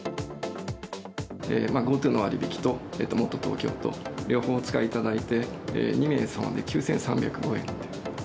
ＧｏＴｏの割引ともっとＴｏｋｙｏと両方お使いいただいて２名様で９３０５円。